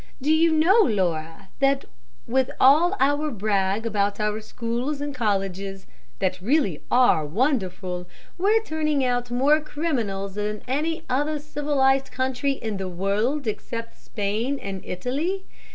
Do you know, Laura, that with all our brag about our schools and colleges, that really are wonderful, we're turning out more criminals than any other civilized country in the world, except Spain and Italy?